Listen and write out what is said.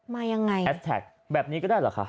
มายังไงแฮสแท็กแบบนี้ก็ได้เหรอคะ